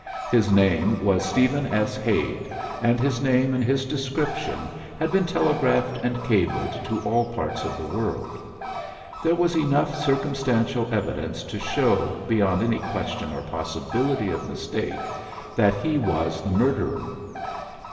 His name was Stephen S. Hade, and his name and his description had been telegraphed and cabled to all parts of the world. There was enough circumstantial evidence to show, beyond any question or possibility of mistake, that he was the murderer.